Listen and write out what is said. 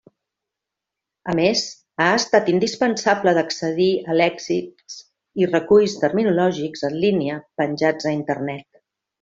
A més, ha estat indispensable d'accedir a lèxics i reculls terminològics en línia penjats a Internet.